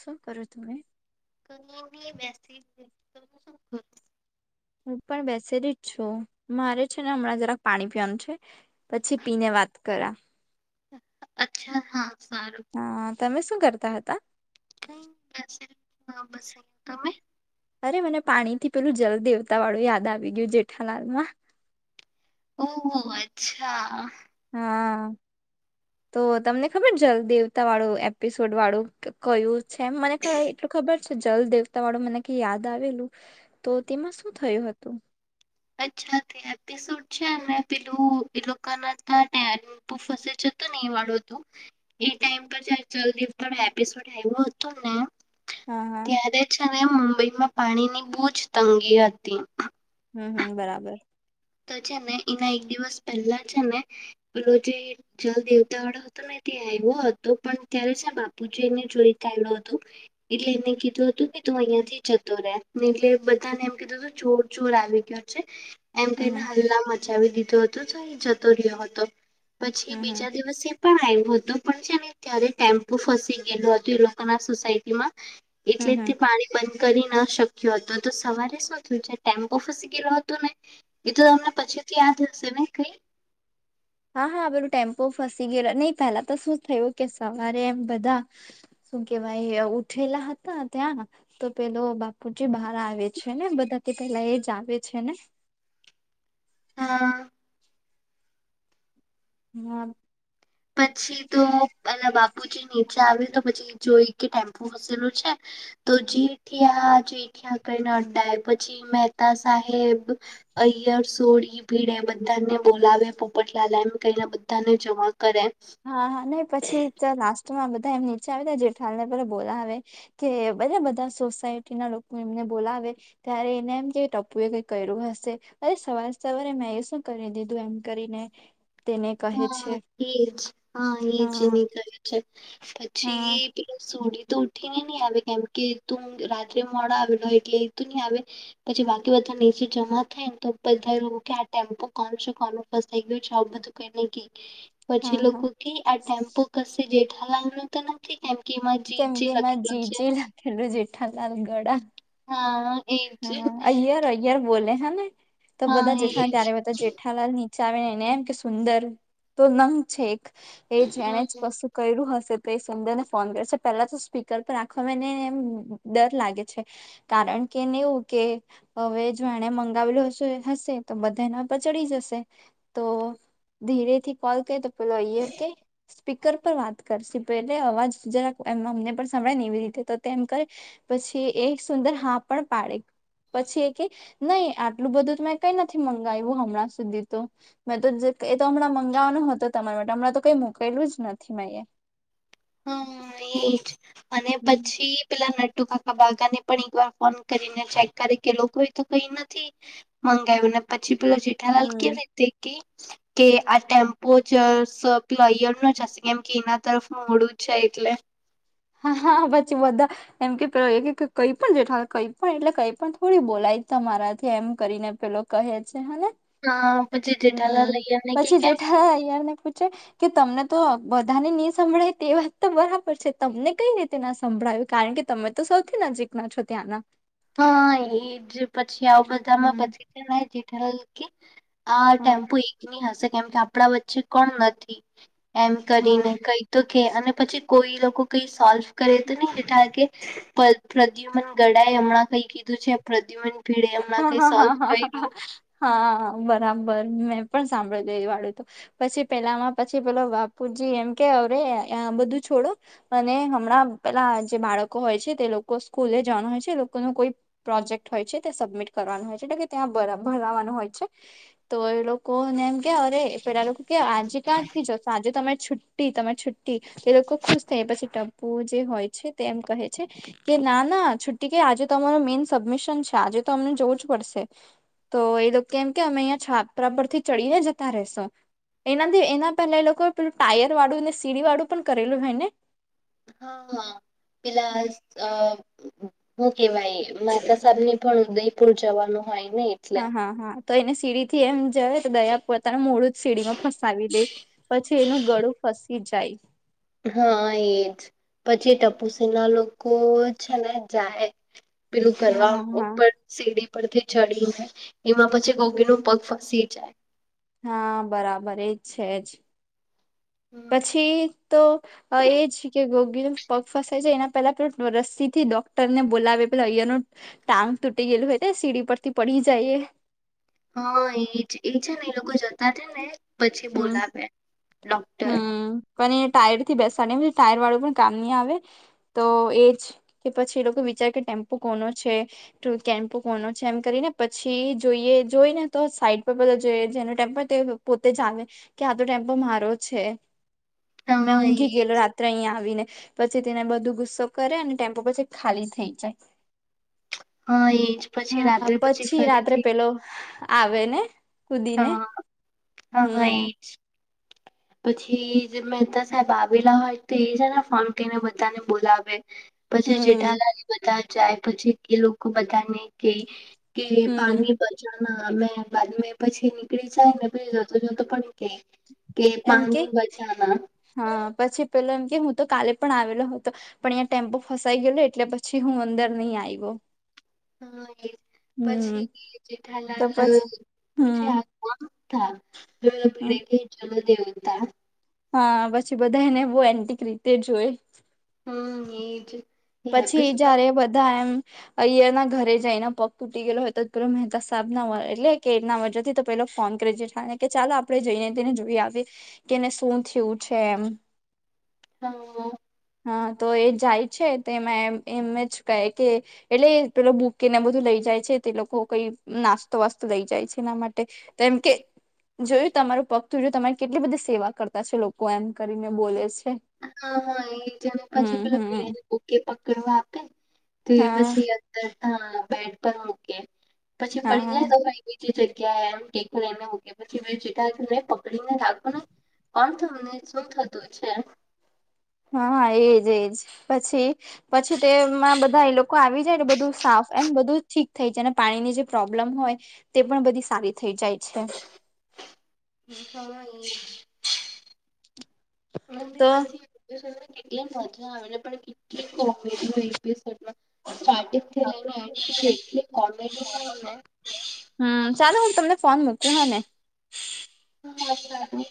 શું કરું તુંમે [unintelligible] હું પણ બેસે ર જ છું મારે છે ને હમણાં જરાક પાણી પીવાનું છે. પછી પી ને વાત કરા અચ્છા હા સારું હા તમે શું કરતા હતા કઈ બેસે ના બસ અહીં તમે અરે મને પાણી થી પેલું જલદેવતા વાળું યાદ આવી ગયું જેઠાલાલ માં ઓહહ અચ્છા હા. તો તમને ખબર જલદેવતા વાળું એપિસોડ વાળું કયું છે એ મને હા એટલું ખબર છે જલદેવતા વાળું મને ક યાદ આવેલું તો તેમાં શું થયું હતું. [unintelligible] પુ ફસે છે તો નહ વાળો તું એ ટાઈમ પર જ જલ્દી પણ એપિસોડ આવ્યો હતોું ને હા હા ત્યારે અને મુંબઈમાં પાણીની બહુ જ તંગી હતી હમ હમ બરાબર તો છે ને એના એક દિવસ પહેલા છે નેે ર જેે જલ દેવતા વાળો હતો ત ત્યાં આવ્યો હતો પણ ત્યારે જ બાપુજી એને જોઈતા આવ્યો હતો. એટલે એને કીધું હતું કે તું અહિયાં થી જતો રે ને એટલે બધાને એમ કીધું હતું ચોર ચોર આવી ગયો [inaudible] હમ તેને હમ હલ્લા મચાવી દીધો હતો તો એ જતો રહ્યો હતો પછી હમ હમ બીજા દિવસે પણ આવ્યું હતું પણ છે ને ત્યારે ટેમ્પુ ફસી ગયેું હતું એ લોકોના સોસાયટી માં હમ એટલે હમ તે પાણી બંધ કરી ના શક્યો હતો તો સવારે શું થયું છે ટેમ્પો ફસી ગયલો હતો ને એ તો તમને પછી થી યાદ હશે ને કઈ હા હા બધું ટેમ્પો ફસી ગયેલો નહી પેલા તો શું થયું કે સવારે એમ બધા શું કેવાાઈ ઉઠેલા હતા ત્યાં તો પેલો બાપુજી બહાર આવે છે ને બધાથી પેલા એ જ આવે છે ને હમ અ હમ પછી તો એલા બાપુજી નીચે આવ્યું તો પછી જોઈ કે ટેમ્પુ વસેલું છે. તો જેઠી જેઠિયા કને અડડા પછી પછી મહેતા સાહેબ અયર સોળી બીડે બધાને બોલાવે પોપટલા લાઈમ કહીને બધાને જમા કરે હા હા નહી પછી તો લાસ્ટમાં બધા એમ નીચે આવે જેઠાલ ને પ બોલા આવે કે બધા બધા સોસાયટી ના લોકો એમને બોલાવે ત્યારે એને એમ કે ટપુ એ કઈ કર્યું હશે અરે સવારે સવારે મેં એ શું કરી દીધું એમ કરીને તેને કહે છે હા એજ હા એજ હા નીકળે છે હા પછી એ સોઢી તો ઉઠીને નહી આવે કેમ કે એતો રાત્રે મોડા આવેલો એટલે એ તું નહી આવે પછી બાકી બધા નીચે જમા થાય તો બધા એવું કે આ ટેમ્પો કોણ છે કોનું ગયું છે બધું એટલે કે પછી હા હા લોકો કે આ ટેમ્પો કશે જેઠાલાલ નો તો નથી કેમ કે એમાં જીજે લખેલો છે એટલે જેઠાલાલ ગડા હા એજ ને યાર બોલે હાને તો બધા જેઠા ત્યારે બધા જેઠા જેઠાલાલ નીચે આવે એણે એમ કે સુંદર તો નંગ છે એક એ જણે હમ. જ કશુંક કર્યું હશે તો એ સુંદરને ફોન કરશે પેલા તો સ્પીકર પર રાખવામાં એને ડર લાગે છે કારણ કેને એવું કે હવે જો એણે મંગાવેલું હશે તો બધા મારા પર ચડી જશે તો ધીરેથી કોલ કરે તો પેલો અયર કે સ્પીકર પર વાત કરશે પેલે અવાજ જરાક એમ અમને પણ સાભળાય ને એવી રીતે તો તેમ કર પછી એ સુંદર હા પણ પાડે પછી એ કે નહી આટલું બધું તો કઈ નથી મંગાવું હમણાં સુધી તો મેં તો જ એતો હમણાં મંગાવવાનો હતો તમારા માટે હમણાં તો કઈ મુકેલું જ નથી મે અયા હમ એજ અને પછી પેલા નટુકાકા બાગા ને પણ એક વાર ફોન કરીને ચેક કરે કે લોકો એ તો કઈ નથી મંગાવું ને પછી પેલો જેઠાલાલ હમ કેવી રીતે કે કે આ ટેમ્પો જ સપ્લાયરના ચસ કેમકે એના તરફ મોઢું છે એટલે હા હા પછી બધા એમ કે પેલો કઈ પણ જેઠાલાલ કઈ પણ એટલે કઈ પણ થોડી બોલાય તમારાથી એમ કરીને પેલો કહે છે હને હા પછી હમ જેઠાલાલ અય્યરને કે પછી કેમ જેઠાલાલ ઐયર ને પૂછે કે તમને તો બધાને નહી સંભળાય તે વાત તો બરાબર છે તમને કઈ રીતે ના સંભળાવ્યું કારણ કે તમે તો સૌથી નજીક ના છો ત્યાંના હા એજ પછી આવું બધામાં હમ પછી છેને જેઠાલાલ કે આ હા ટેમ્પો એકની હશે એમ કેમ કે આપણા વચ્ચે કોણ નથી એમ હા કરીને કઈક તો કે અને પછી કોઈ લોકો કઈ સોલ્વ કરે તો નહી જેઠાલાલ કે પ્રદ્યુમન ગડાએ હમણાં કઈ કીધું છે પ્રદ્યુમન ભીડે એ હમણા હા કઈ હા હા સોલ્વ હા હા કરીયું હા બરાબર મેં પણ સાંભળેલું એ વાળું તો પછી પેલામાં પછી પેલો બાપુજી એમ કે અરે આ બધું છોડો અને હમણાં પેલા જે બાળકો હોય છે તે લોકો સ્કૂલે જવાનું હોય છે એ લોકો નું કોઈ પ્રોજેક્ટ હોય છે તે સબમિટ કરવાનું હોય છે એટલે કે ત્યાં ભરાવાનું હોય છે તો એ લોકો કોને એમ કે અરે પેલા લોકો કે આજે ક્યાંથી આજે તો અમે છૂટ છુટી તમાર છુટી એ લોકો ખુશ થઈ પછી ટપ્પુ જે હોય છે તે એમા કહે છે કે ના ના છુટ્ટી કે આજે અમાર મેઈન સબમિશન છે આજે તો અમને જવું જ પડશે તો એ લોકો કેમ કે અમે અહીંયા છાપરા પરથી ચડીને જતા રસુ એનાથી એના પહેલા એ લોકો પેલું ટાયર વાળું ને સીડી વાળું પણ કરેલું હોય ને હા હા પેલા અ હું કેવાય મેહતા સાબને પણ ઉદયપુર જવાનું હોય ને એટલે હા હા હા તો એને સીડી થી એમ જ તો દયા પોતાનું મૂળ સીડીમાં ફસાવી લે પછી એનું ગળું હા એજ પછી ટપુસી ના લોકો છે ને જાય પેલું કરવા હા હા ઉપર સીડી પરથી ચડી એમાં પછી ગોગી પગ ફસી જાય હા બરાબર એજ છે જ હમ પછી તો એ છે કે ગોગીનો પગ ફસાય છે એના પેલા રસ્સીથી ડોક્ટરને બોલાવે પેલા અહીંયાનું ટાંગ તૂટી ગયેલું હોય તો સીડી પરથી પડી જાયએ હા એજ એ છે ને લોકો જતા છે ને હમ બોલાવે ડોક્ટર હમ ટાયર થી પી ટાયર વાળું પણ કામ નહી આવે તો એ જ કે પછી એ લોકો વિચાર કે ટેમ્પો કોનો છે કેમ્પો કોનો છે એમ કરીને પછી જોઈએ જોઈને તો સાઈડ પર બધા જોઈએ જેનો ટેમ્પો જાવ કે આ તો ટેમ્પો મારો છે મેં હા એ ઊંઘી અહીયા આવીને પછી તેને બધું ગુસ્સો કરે અને ટેમ્પો પછી ખાલી થઈ જાય હા એજ પછી હા રાત્રે પછી રાત્રે ફરીથી પેલો આવે ને કુદી ને હા હા એ પછી જ મહેતા સાહેબ આવેલા હોય તો એ જ ને ફોન કરીને બધાને બોલાવે પછી હમ જેઠાલાની બધા જાય પછી એ લોકો બધાને કે કે હમ પાણી પછ મેં બાદ મે પછી નીકળી જાયને પી જતો જોતો પણ કય કે એમ પામ કે બચાના હા પછી પેલો એમ કે હું તો કાલે પણ આવેલો હતો પણ અહીંયા ટેમ્પો ફસાઈ ગયેલો એટલે પછી હું અંદર નહીં આવી ગયો હા એ પછી તો જેઠાલાલ પછી પૂછ હમ હા પછી બધા એને બહુ એન્ટિક રીતે જોય હમ એજ એ એપિસોડ જ્યારે જ એમ અયયના ઘરે જઈને પગ તૂટી ગેલો હોય તો પેલો મહેતા સાહેબના એટલે કેના વર્થી પેલો ફોન કરી દઠા કે ચાલો આપણે જઈને તેને જોઈ આવી કેને શું થયું છે એમ હમ હા તો એ જાય છે તો એમાં એમ જ કહે કે એટલે પેલો બૂકીને બધું લઈ જાય છે તે લોકો કઈ નાસ્તો વાસ્તો લઈ જાય છે એના માટે તેમમ કે જોયું તમારું પગ તું જોયું તમારી કેટલી બધી સેવા કરતા છે લોકો એમ કરીને બોલે છે હા એ જેને પછી હમ પેલા હમ પીને પોકે આપે તે હા પછી અંદર ત બેડ મૂકે પછી હા જાય તો ભાઈ બીજી જગ્યાએ એમ ખ એને મકી પછી જેટને પકડી ને રાખો ને પણ તમને શું થતું છે હા એજ એજ પછી પછી તેમાં બધા એ લોકો આવી જાય ને બધું સાફ એમ બધું ઠીક થઈ જાય ને પાણીની જે પ્રોબ્લેમ હોય તે પણ બધી સારી થઈ જાય છે હા [inaudible] મંદિર તો પાછ હા [unintelligible] કેટલી મજા આવે પણ કે કોીએમાં [unintelligible] સ્ટાર્ટિંગ થી લેય ને એન્ડ તક એટલી કોમેડી થઈ ને હમ્મ ચાલો હું તમને ફોન મુકુ હ ને હ સારુ